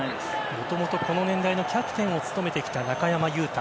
もともとこの年代のキャプテンを務めてきた中山雄太。